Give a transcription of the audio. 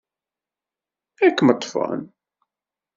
Ad kem-ḍḍfen.